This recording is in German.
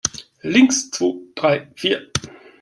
Links, zwo, drei, vier!